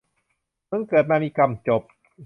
มึงเกิดมามีกรรม จบ.